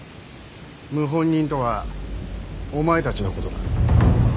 謀反人とはお前たちのことだ。